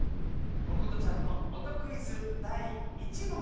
おことちゃんのおとクイズだい１もん。